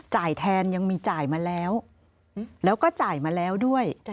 แทนยังมีจ่ายมาแล้วแล้วก็จ่ายมาแล้วด้วย